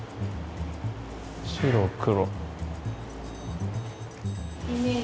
白黒。